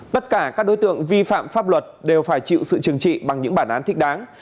tất cả các đối tượng vi phạm pháp luật đều phải chịu sự trừng trị bằng những bản án thích đáng